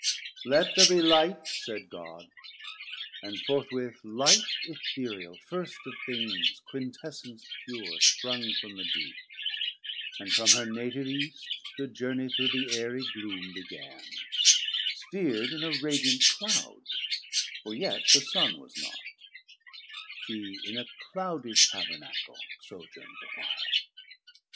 Let ther be Light, said God, and forthwith Light Ethereal, first of things, quintessence pure Sprung from the Deep, and from her Native East To journie through the airie gloom began, Sphear'd in a radiant Cloud, for yet the Sun Was not; shee in a cloudie Tabernacle Sojourn'd the while.